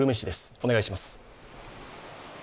お願いします。